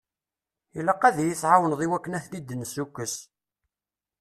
Ilaq ad yi-tɛawneḍ i wakken ad ten-id-nessukkes.